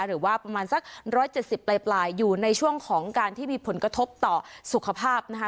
หรือว่าประมาณสัก๑๗๐ปลายอยู่ในช่วงของการที่มีผลกระทบต่อสุขภาพนะคะ